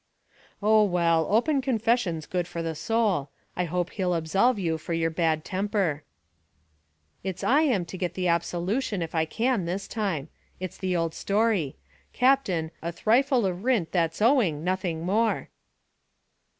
"Oh, well; open confession's good for the soul; I hope he'll absolve you for your bad temper." "It's I am to get the absolution, if I can, this time; it's the old story. Captain, 'a thrifle of rint that's owing, nothing more.'"